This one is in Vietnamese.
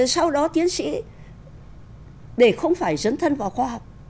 sau đó tiến sĩ để không phải dấn thân vào khoa học